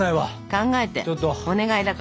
考えてお願いだから。